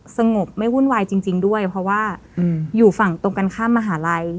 สงบไม่วุ่นวายจริงด้วยเพราะว่าอยู่ฝั่งตรงกันข้ามมหาลัย